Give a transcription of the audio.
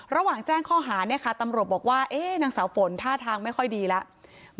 ระหว่างแจ้งข้อหาเนี่ยค่ะตำรวจบอกว่านางสาวฝนท่าทางไม่ค่อยดีแล้ว